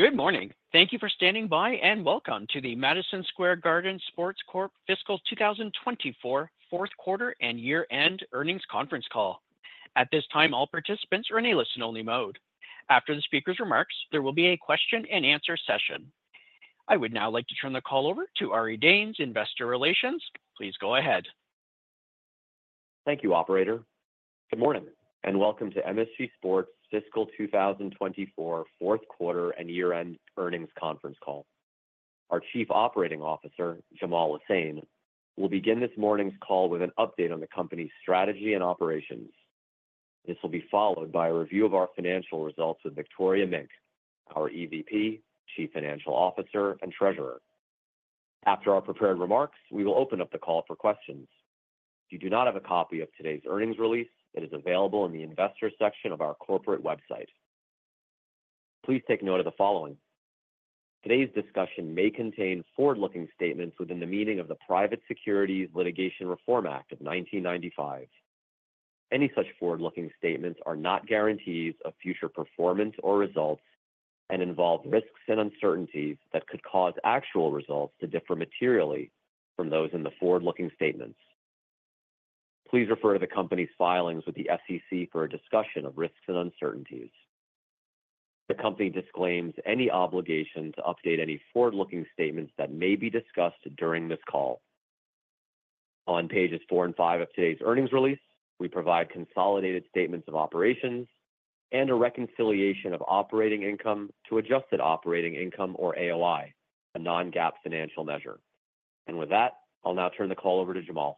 Good morning! Thank you for standing by, and welcome to the Madison Square Garden Sports Corp. Fiscal 2024 fourth quarter and year-end earnings conference call. At this time, all participants are in a listen-only mode. After the speaker's remarks, there will be a question-and-answer session. I would now like to turn the call over to Ari Danes, Investor Relations. Please go ahead. Thank you, operator. Good morning, and welcome to MSG Sports Fiscal 2024, fourth quarter and year-end earnings conference call. Our Chief Operating Officer, Jamaal Lesane, will begin this morning's call with an update on the company's strategy and operations. This will be followed by a review of our financial results with Victoria Mink, our EVP, Chief Financial Officer, and Treasurer. After our prepared remarks, we will open up the call for questions. If you do not have a copy of today's earnings release, it is available in the Investors section of our corporate website. Please take note of the following: Today's discussion may contain forward-looking statements within the meaning of the Private Securities Litigation Reform Act of 1995. Any such forward-looking statements are not guarantees of future performance or results and involve risks and uncertainties that could cause actual results to differ materially from those in the forward-looking statements. Please refer to the company's filings with the SEC for a discussion of risks and uncertainties. The company disclaims any obligation to update any forward-looking statements that may be discussed during this call. On pages four and five of today's earnings release, we provide consolidated statements of operations and a reconciliation of operating income to adjusted operating income or AOI, a non-GAAP financial measure. With that, I'll now turn the call over to Jamaal.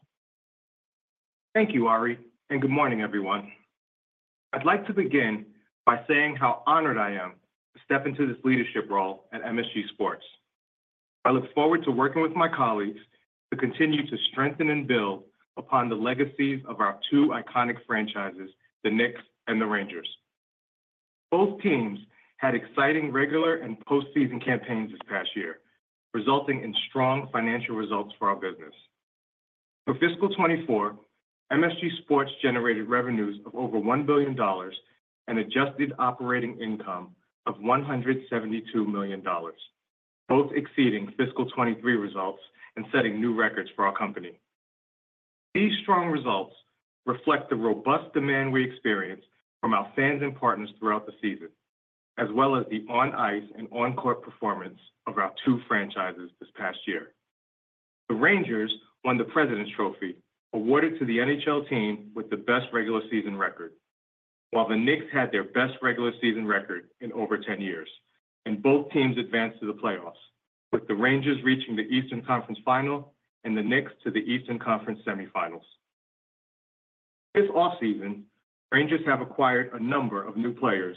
Thank you, Ari, and good morning, everyone. I'd like to begin by saying how honored I am to step into this leadership role at MSG Sports. I look forward to working with my colleagues to continue to strengthen and build upon the legacies of our two iconic franchises, the Knicks and the Rangers. Both teams had exciting regular and postseason campaigns this past year, resulting in strong financial results for our business. For fiscal 2024, MSG Sports generated revenues of over $1 billion and adjusted operating income of $172 million, both exceeding fiscal 2023 results and setting new records for our company. These strong results reflect the robust demand we experienced from our fans and partners throughout the season, as well as the on-ice and on-court performance of our two franchises this past year. The Rangers won the Presidents' Trophy, awarded to the NHL team with the best regular season record, while the Knicks had their best regular season record in over ten years, and both teams advanced to the playoffs, with the Rangers reaching the Eastern Conference Final and the Knicks to the Eastern Conference Semifinals. This off-season, Rangers have acquired a number of new players,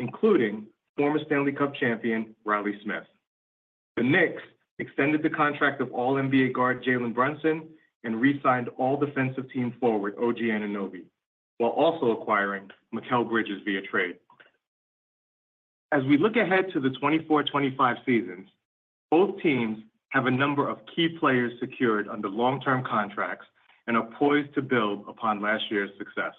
including former Stanley Cup champion, Reilly Smith. The Knicks extended the contract of All-NBA guard Jalen Brunson and re-signed All-Defensive Team forward OG Anunoby, while also acquiring Mikal Bridges via trade. As we look ahead to the 2024-2025 seasons, both teams have a number of key players secured under long-term contracts and are poised to build upon last year's success.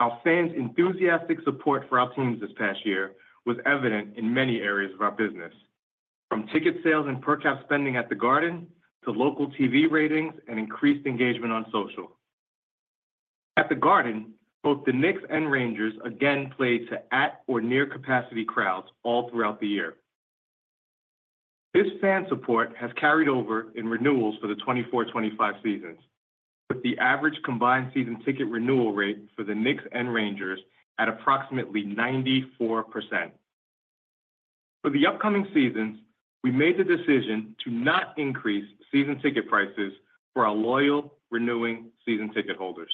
Our fans' enthusiastic support for our teams this past year was evident in many areas of our business, from ticket sales and per-capita spending at the Garden to local TV ratings and increased engagement on social. At the Garden, both the Knicks and Rangers again played to at or near capacity crowds all throughout the year. This fan support has carried over in renewals for the 2024-2025 seasons, with the average combined season ticket renewal rate for the Knicks and Rangers at approximately 94%. For the upcoming seasons, we made the decision to not increase season ticket prices for our loyal, renewing season ticket holders.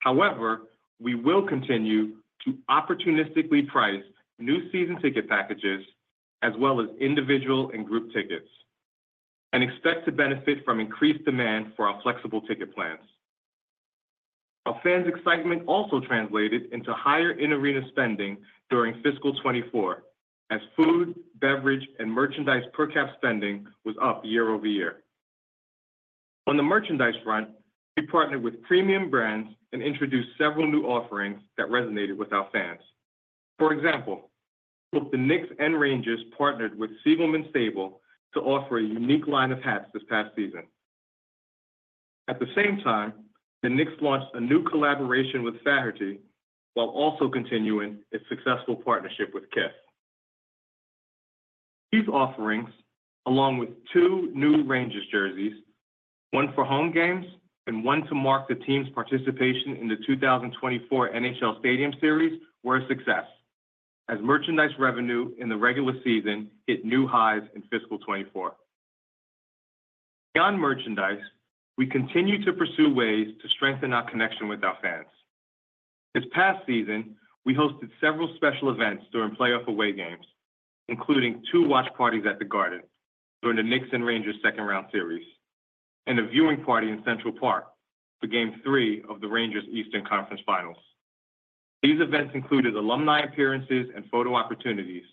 However, we will continue to opportunistically price new season ticket packages, as well as individual and group tickets, and expect to benefit from increased demand for our flexible ticket plans. Our fans' excitement also translated into higher in-arena spending during fiscal 2024, as food, beverage, and merchandise per-cap spending was up year-over-year. On the merchandise front, we partnered with premium brands and introduced several new offerings that resonated with our fans. For example, both the Knicks and Rangers partnered with Siegelman Stable to offer a unique line of hats this past season. At the same time, the Knicks launched a new collaboration with Faherty, while also continuing its successful partnership with Kith. These offerings, along with two new Rangers jerseys, one for home games and one to mark the team's participation in the 2024 NHL Stadium Series, were a success as merchandise revenue in the regular season hit new highs in fiscal 2024. Beyond merchandise, we continue to pursue ways to strengthen our connection with our fans. This past season, we hosted several special events during playoff away games, including two watch parties at the Garden during the Knicks and Rangers second-round series, and a viewing party in Central Park for game 3 of the Rangers' Eastern Conference Finals. These events included alumni appearances and photo opportunities,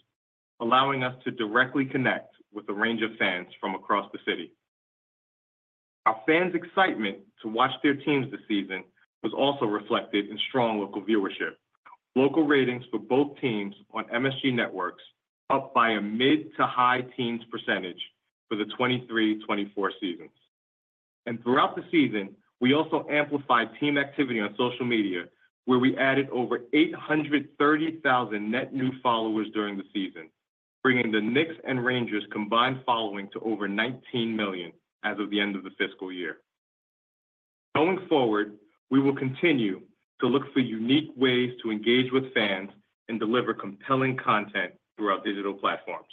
allowing us to directly connect with a range of fans from across the city. Our fans' excitement to watch their teams this season was also reflected in strong local viewership. Local ratings for both teams on MSG Networks, up by a mid- to high-teens percentage for the 2023-2024 seasons. Throughout the season, we also amplified team activity on social media, where we added over 830,000 net new followers during the season, bringing the Knicks and Rangers combined following to over 19 million as of the end of the fiscal year. Going forward, we will continue to look for unique ways to engage with fans and deliver compelling content through our digital platforms.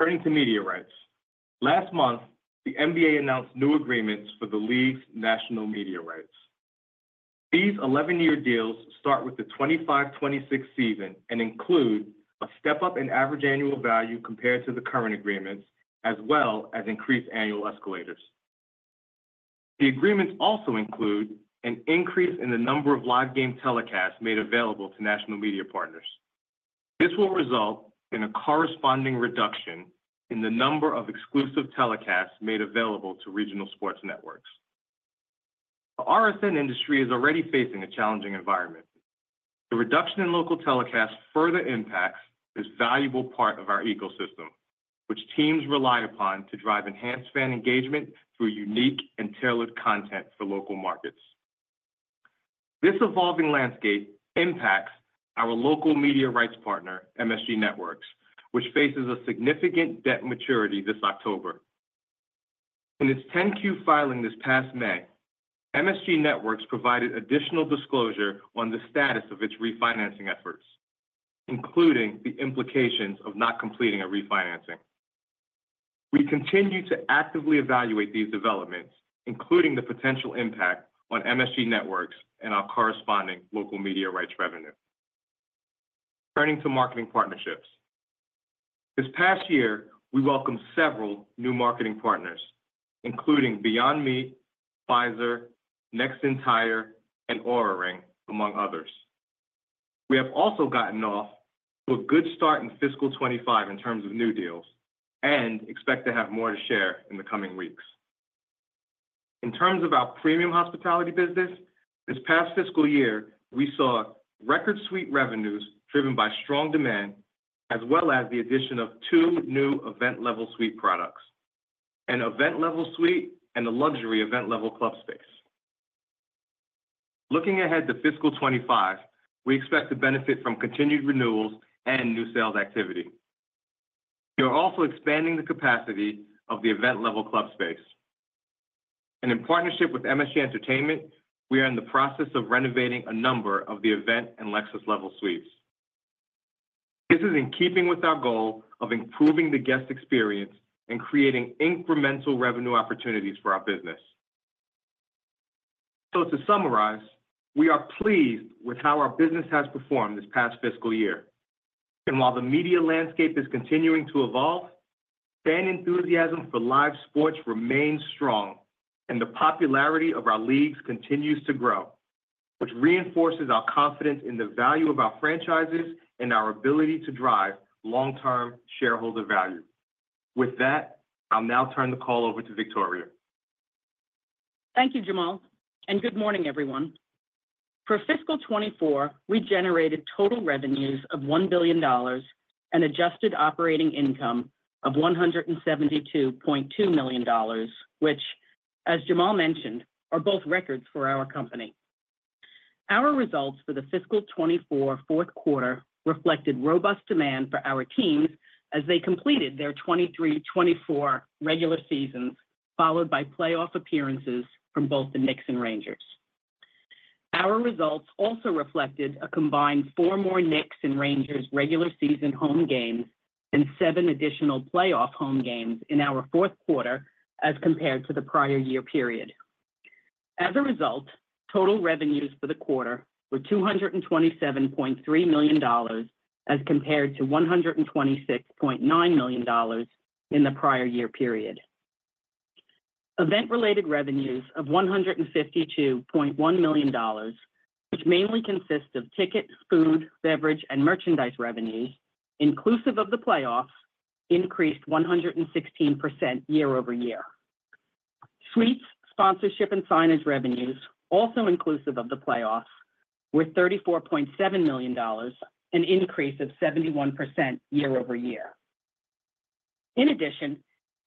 Turning to media rights. Last month, the NBA announced new agreements for the league's national media rights. These 11-year deals start with the 2025-2026 season and include a step-up in average annual value compared to the current agreements, as well as increased annual escalators. The agreements also include an increase in the number of live game telecasts made available to national media partners. This will result in a corresponding reduction in the number of exclusive telecasts made available to regional sports networks. The RSN industry is already facing a challenging environment. The reduction in local telecasts further impacts this valuable part of our ecosystem, which teams rely upon to drive enhanced fan engagement through unique and tailored content for local markets. This evolving landscape impacts our local media rights partner, MSG Networks, which faces a significant debt maturity this October. In its 10-Q filing this past May, MSG Networks provided additional disclosure on the status of its refinancing efforts, including the implications of not completing a refinancing. We continue to actively evaluate these developments, including the potential impact on MSG Networks and our corresponding local media rights revenue. Turning to marketing partnerships. This past year, we welcomed several new marketing partners, including Beyond Meat, Pfizer, Nexen Tire, and Oura Ring, among others. We have also gotten off to a good start in fiscal 2025 in terms of new deals and expect to have more to share in the coming weeks. In terms of our premium hospitality business, this past fiscal year, we saw record suite revenues driven by strong demand, as well as the addition of two new Event Level suite products: an Event Level suite and a luxury Event Level club space. Looking ahead to fiscal 2025, we expect to benefit from continued renewals and new sales activity. We are also expanding the capacity of the Event Level club space. In partnership with MSG Entertainment, we are in the process of renovating a number of the Event and Lexus Level suites. This is in keeping with our goal of improving the guest experience and creating incremental revenue opportunities for our business. To summarize, we are pleased with how our business has performed this past fiscal year. While the media landscape is continuing to evolve, fan enthusiasm for live sports remains strong, and the popularity of our leagues continues to grow, which reinforces our confidence in the value of our franchises and our ability to drive long-term shareholder value. With that, I'll now turn the call over to Victoria. Thank you, Jamaal, and good morning, everyone. For fiscal 2024, we generated total revenues of $1 billion and adjusted operating income of $172.2 million, which, as Jamaal mentioned, are both records for our company. Our results for the fiscal 2024 fourth quarter reflected robust demand for our teams as they completed their 2023-2024 regular seasons, followed by playoff appearances from both the Knicks and Rangers. Our results also reflected a combined 4 more Knicks and Rangers regular season home games and 7 additional playoff home games in our fourth quarter as compared to the prior year period. As a result, total revenues for the quarter were $227.3 million, as compared to $126.9 million in the prior year period. Event-related revenues of $152.1 million, which mainly consist of tickets, food, beverage, and merchandise revenues, inclusive of the playoffs, increased 116% year-over-year. Suites, sponsorship, and signage revenues, also inclusive of the playoffs, were $34.7 million, an increase of 71% year-over-year. In addition,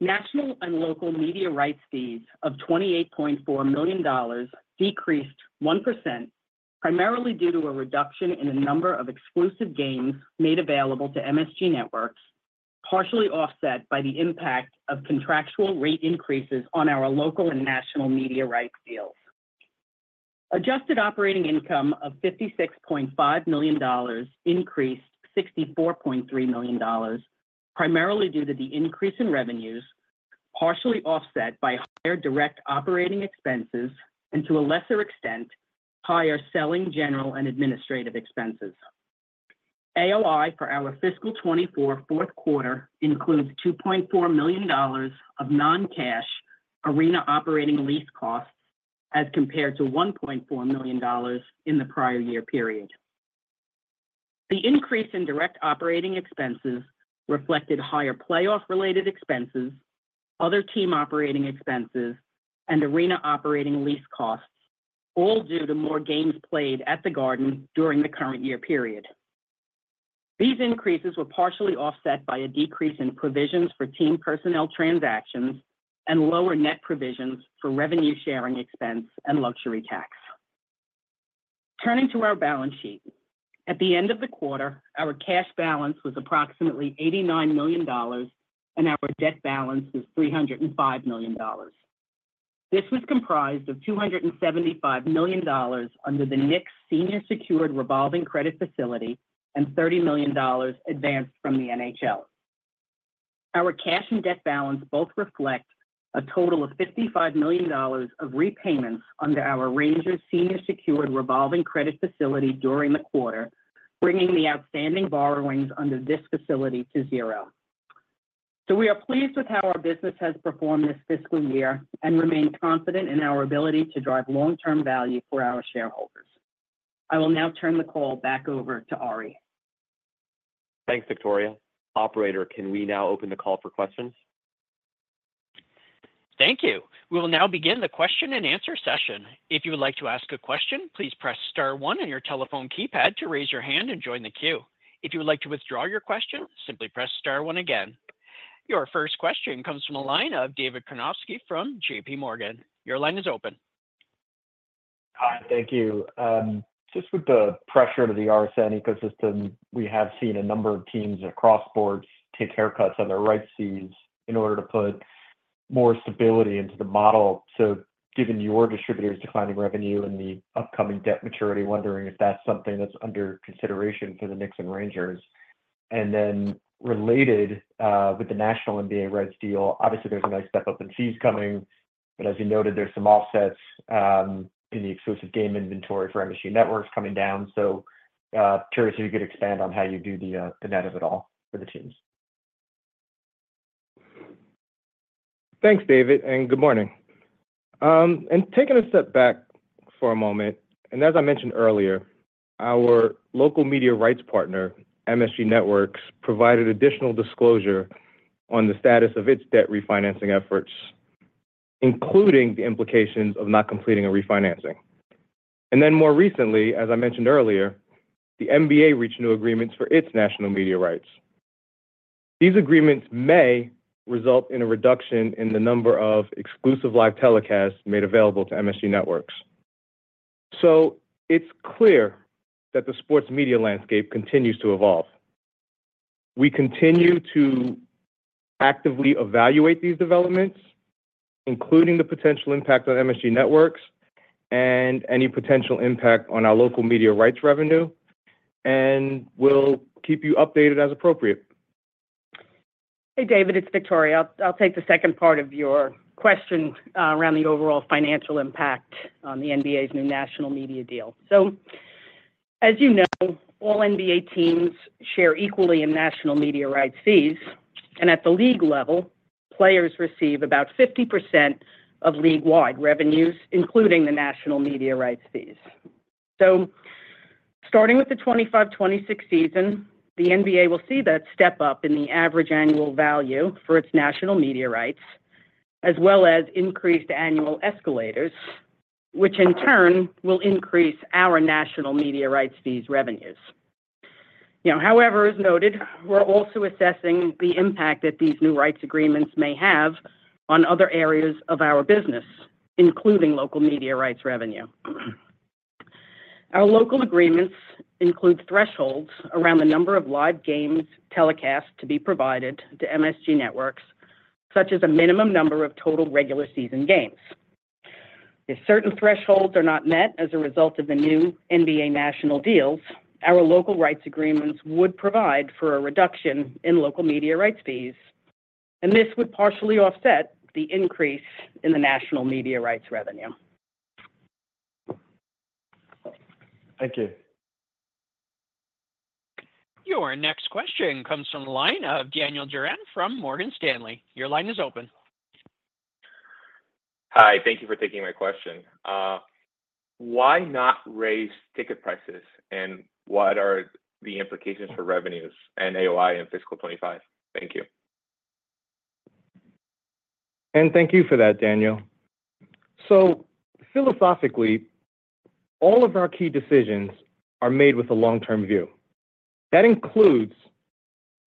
national and local media rights fees of $28.4 million decreased 1%, primarily due to a reduction in the number of exclusive games made available to MSG Networks, partially offset by the impact of contractual rate increases on our local and national media rights deals. Adjusted operating income of $56.5 million increased $64.3 million, primarily due to the increase in revenues, partially offset by higher direct operating expenses and, to a lesser extent, higher selling general and administrative expenses. AOI for our fiscal 2024 fourth quarter includes $2.4 million of non-cash arena operating lease costs, as compared to $1.4 million in the prior year period. The increase in direct operating expenses reflected higher playoff-related expenses, other team operating expenses, and arena operating lease costs, all due to more games played at the Garden during the current year period. These increases were partially offset by a decrease in provisions for team personnel transactions and lower net provisions for revenue sharing expense and luxury tax. Turning to our balance sheet. At the end of the quarter, our cash balance was approximately $89 million, and our debt balance was $305 million. This was comprised of $275 million under the Knicks senior secured revolving credit facility and $30 million advanced from the NHL. Our cash and debt balance both reflect a total of $55 million of repayments under our Rangers senior secured revolving credit facility during the quarter, bringing the outstanding borrowings under this facility to zero. So we are pleased with how our business has performed this fiscal year and remain confident in our ability to drive long-term value for our shareholders. I will now turn the call back over to Ari. Thanks, Victoria. Operator, can we now open the call for questions? Thank you. We will now begin the question-and-answer session. If you would like to ask a question, please press star one on your telephone keypad to raise your hand and join the queue. If you would like to withdraw your question, simply press star one again. Your first question comes from the line of David Karnofsky from JPMorgan. Your line is open. Hi, thank you. Just with the pressure to the RSN ecosystem, we have seen a number of teams across the board take haircuts on their rights fees in order to put more stability into the model. So given your distributor's declining revenue and the upcoming debt maturity, wondering if that's something that's under consideration for the Knicks and Rangers? And then related, with the national NBA rights deal, obviously, there's a nice step up in fees coming, but as you noted, there's some offsets, in the exclusive game inventory for MSG Networks coming down. So, curious if you could expand on how you do the, the net of it all for the teams? Thanks, David, and good morning. Taking a step back for a moment, and as I mentioned earlier, our local media rights partner, MSG Networks, provided additional disclosure on the status of its debt refinancing efforts, including the implications of not completing a refinancing. Then more recently, as I mentioned earlier, the NBA reached new agreements for its national media rights. These agreements may result in a reduction in the number of exclusive live telecasts made available to MSG Networks. So it's clear that the sports media landscape continues to evolve. We continue to actively evaluate these developments, including the potential impact on MSG Networks and any potential impact on our local media rights revenue, and we'll keep you updated as appropriate. Hey, David, it's Victoria. I'll take the second part of your question around the overall financial impact on the NBA's new national media deal. So, as you know, all NBA teams share equally in national media rights fees, and at the league level, players receive about 50% of league-wide revenues, including the national media rights fees. So starting with the 2025-2026 season, the NBA will see that step up in the average annual value for its national media rights, as well as increased annual escalators, which in turn will increase our national media rights fees revenues. You know, however, as noted, we're also assessing the impact that these new rights agreements may have on other areas of our business, including local media rights revenue. Our local agreements include thresholds around the number of live games telecast to be provided to MSG Networks, such as a minimum number of total regular season games. If certain thresholds are not met as a result of the new NBA national deals, our local rights agreements would provide for a reduction in local media rights fees, and this would partially offset the increase in the national media rights revenue. Thank you. Your next question comes from the line of Ben Swinburne from Morgan Stanley. Your line is open. Hi, thank you for taking my question. Why not raise ticket prices, and what are the implications for revenues and AOI in fiscal 2025? Thank you. And thank you for that, Daniel. So philosophically, all of our key decisions are made with a long-term view. That includes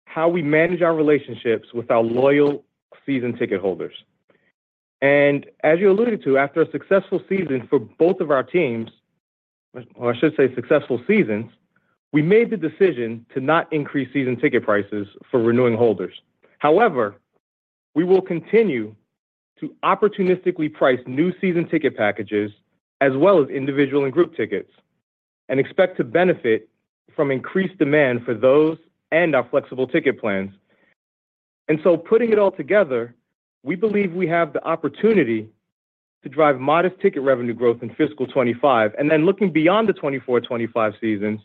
how we manage our relationships with our loyal season ticket holders. And as you alluded to, after a successful season for both of our teams, or I should say successful seasons, we made the decision to not increase season ticket prices for renewing holders. However, we will continue to opportunistically price new season ticket packages, as well as individual and group tickets, and expect to benefit from increased demand for those and our flexible ticket plans. And so putting it all together, we believe we have the opportunity to drive modest ticket revenue growth in fiscal 2025. And then looking beyond the 2024, 2025 seasons,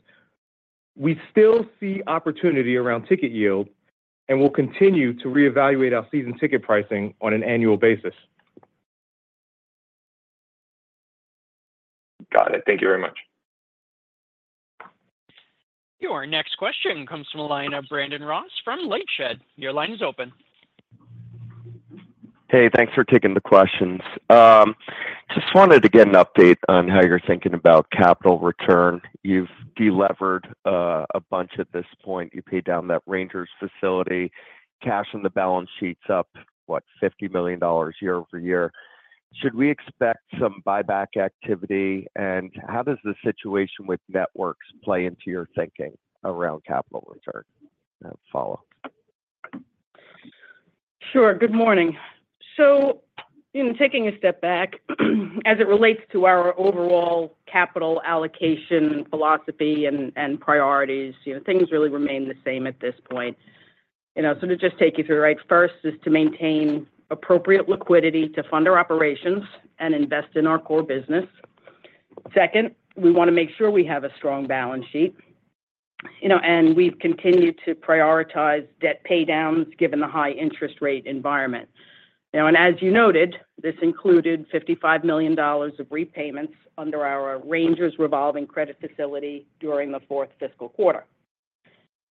we still see opportunity around ticket yield and will continue to reevaluate our season ticket pricing on an annual basis. ... Got it. Thank you very much. Your next question comes from the line of Brandon Ross from LightShed. Your line is open. Hey, thanks for taking the questions. Just wanted to get an update on how you're thinking about capital return. You've delevered a bunch at this point. You paid down that Rangers facility, cash on the balance sheet's up, what? $50 million year-over-year. Should we expect some buyback activity? And how does the situation with networks play into your thinking around capital return? I'll follow. Sure. Good morning. So in taking a step back, as it relates to our overall capital allocation philosophy and priorities, you know, things really remain the same at this point. You know, so to just take you through, right? First is to maintain appropriate liquidity to fund our operations and invest in our core business. Second, we wanna make sure we have a strong balance sheet, you know, and we've continued to prioritize debt pay downs, given the high interest rate environment. You know, and as you noted, this included $55 million of repayments under our Rangers revolving credit facility during the fourth fiscal quarter.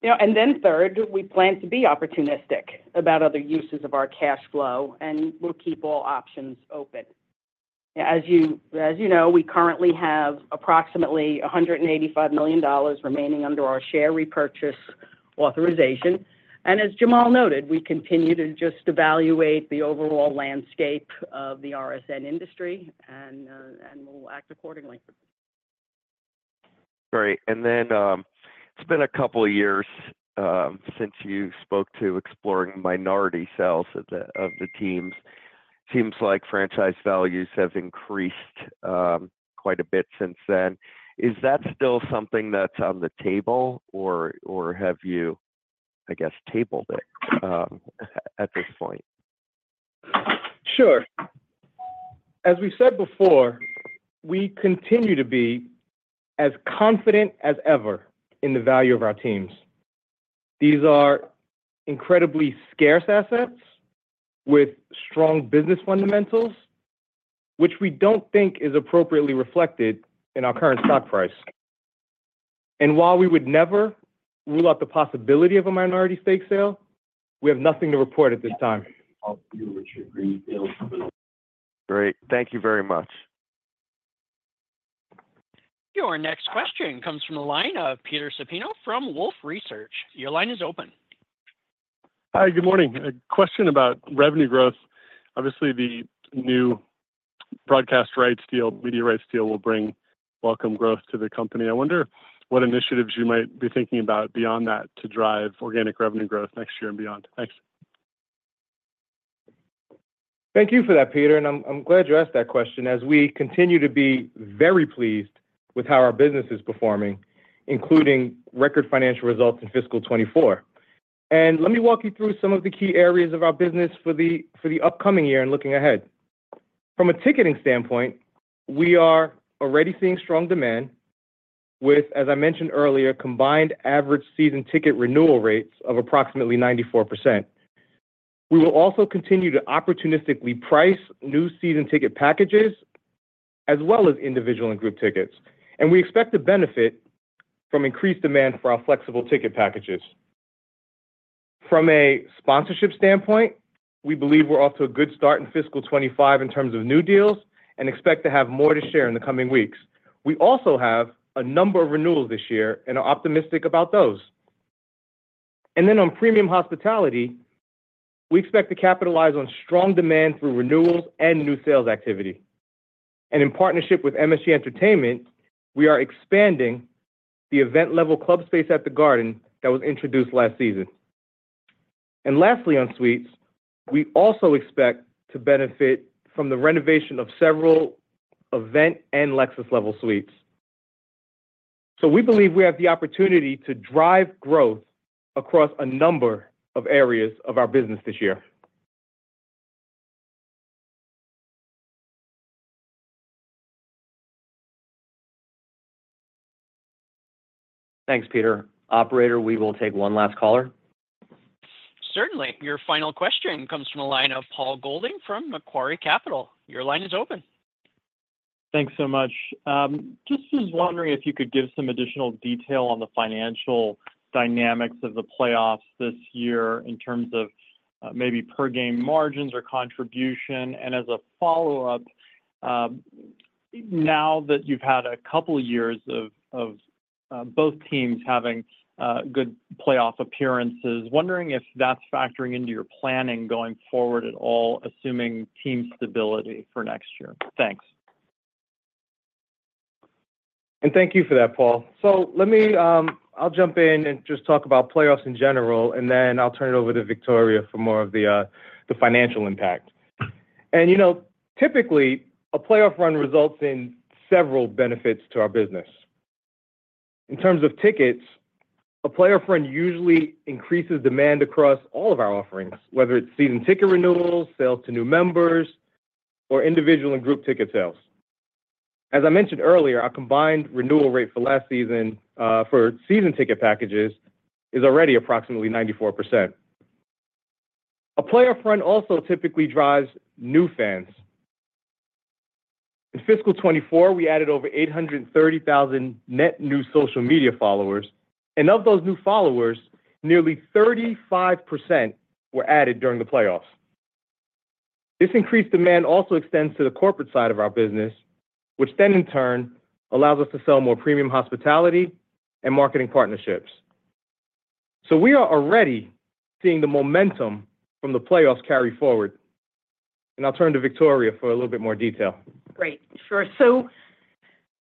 You know, and then third, we plan to be opportunistic about other uses of our cash flow, and we'll keep all options open. As you know, we currently have approximately $185 million remaining under our share repurchase authorization, and as Jamaal noted, we continue to just evaluate the overall landscape of the RSN industry, and we'll act accordingly. Great. And then, it's been a couple of years, since you spoke to exploring minority sales of the teams. Seems like franchise values have increased, quite a bit since then. Is that still something that's on the table, or have you, I guess, tabled it, at this point? Sure. As we said before, we continue to be as confident as ever in the value of our teams. These are incredibly scarce assets with strong business fundamentals, which we don't think is appropriately reflected in our current stock price. While we would never rule out the possibility of a minority stake sale, we have nothing to report at this time. Great. Thank you very much. Your next question comes from the line of Peter Supino from Wolfe Research. Your line is open. Hi, good morning. A question about revenue growth. Obviously, the new broadcast rights deal, media rights deal, will bring welcome growth to the company. I wonder what initiatives you might be thinking about beyond that to drive organic revenue growth next year and beyond. Thanks. Thank you for that, Peter, and I'm glad you asked that question as we continue to be very pleased with how our business is performing, including record financial results in fiscal 2024. Let me walk you through some of the key areas of our business for the upcoming year and looking ahead. From a ticketing standpoint, we are already seeing strong demand with, as I mentioned earlier, combined average season ticket renewal rates of approximately 94%. We will also continue to opportunistically price new season ticket packages, as well as individual and group tickets, and we expect to benefit from increased demand for our flexible ticket packages. From a sponsorship standpoint, we believe we're off to a good start in fiscal 2025 in terms of new deals and expect to have more to share in the coming weeks. We also have a number of renewals this year and are optimistic about those. And then on premium hospitality, we expect to capitalize on strong demand through renewals and new sales activity. And in partnership with MSG Entertainment, we are expanding the Event Level club space at the Garden that was introduced last season. And lastly, on suites, we also expect to benefit from the renovation of several Event and Lexus Level suites. So we believe we have the opportunity to drive growth across a number of areas of our business this year. Thanks, Peter. Operator, we will take one last caller. Certainly. Your final question comes from the line of Paul Golding from Macquarie Capital. Your line is open. Thanks so much. Just was wondering if you could give some additional detail on the financial dynamics of the playoffs this year in terms of, maybe per game margins or contribution. And as a follow-up, now that you've had a couple of years of both teams having good playoff appearances, wondering if that's factoring into your planning going forward at all, assuming team stability for next year. Thanks. Thank you for that, Paul. So let me, I'll jump in and just talk about playoffs in general, and then I'll turn it over to Victoria for more of the, the financial impact. You know, typically, a playoff run results in several benefits to our business. In terms of tickets, a playoff run usually increases demand across all of our offerings, whether it's season ticket renewals, sales to new members, or individual and group ticket sales. As I mentioned earlier, our combined renewal rate for last season, for season ticket packages is already approximately 94%.... A playoff run also typically drives new fans. In fiscal 2024, we added over 830,000 net new social media followers, and of those new followers, nearly 35% were added during the playoffs. This increased demand also extends to the corporate side of our business, which then in turn allows us to sell more premium hospitality and marketing partnerships. So we are already seeing the momentum from the playoffs carry forward, and I'll turn to Victoria for a little bit more detail. Great! Sure. So,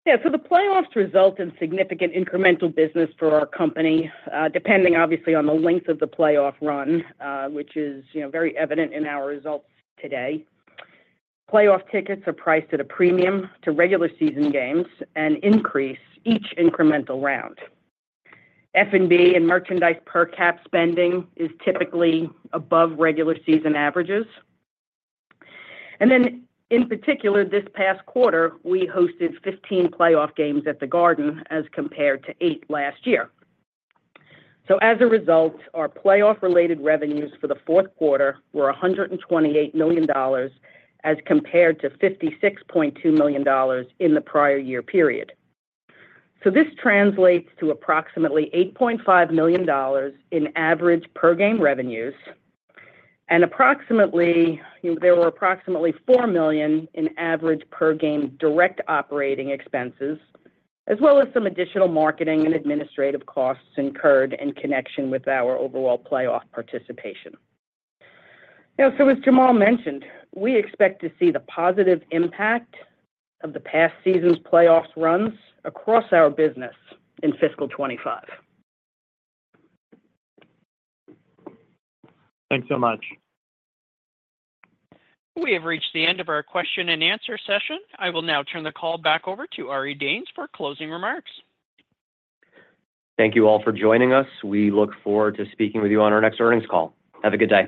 yeah, so the playoffs result in significant incremental business for our company, depending obviously on the length of the playoff run, which is, you know, very evident in our results today. Playoff tickets are priced at a premium to regular season games and increase each incremental round. F&B and merchandise per cap spending is typically above regular season averages. And then in particular, this past quarter, we hosted 15 playoff games at the Garden as compared to 8 last year. So as a result, our playoff-related revenues for the fourth quarter were $128 million, as compared to $56.2 million in the prior year period. So this translates to approximately $8.5 million in average per game revenues, and approximately—you know, there were approximately $4 million in average per game direct operating expenses, as well as some additional marketing and administrative costs incurred in connection with our overall playoff participation. Now, so as Jamaal mentioned, we expect to see the positive impact of the past season's playoffs runs across our business in fiscal 2025. Thanks so much. We have reached the end of our question and answer session. I will now turn the call back over to Ari Danes for closing remarks. Thank you all for joining us. We look forward to speaking with you on our next earnings call. Have a good day.